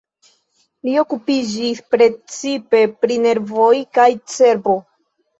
Li okupiĝis precipe pri nervoj kaj cerbo.